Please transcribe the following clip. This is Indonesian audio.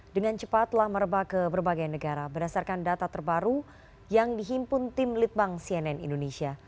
dengan cepat telah merebak ke berbagai negara berdasarkan data terbaru yang dihimpun tim litbang cnn indonesia